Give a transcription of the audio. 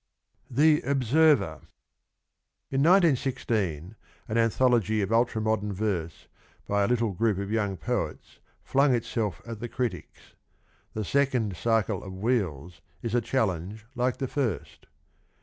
99 THE OBSERVER. In 1916 an anthology of ultra modern verse by a little group of young poets flung itself at the critics. The second cycle of ' Wheels ' is a challenge like the first.